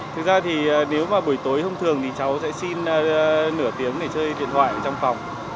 thực ra thì nếu mà buổi tối thông thường thì cháu sẽ xin nửa tiếng để chơi điện thoại ở trong phòng